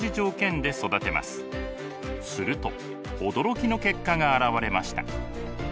すると驚きの結果が現れました。